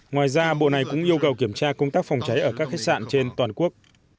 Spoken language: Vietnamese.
ngoài ra bộ này cũng yêu cầu kiểm tra công tác phòng cháy ở các khách sạn trên toàn quốc